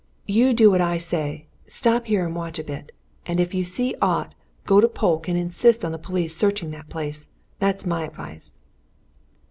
You do what I say stop here and watch a bit. And if you see aught, go to Polke and insist on the police searching that place. That's my advice!"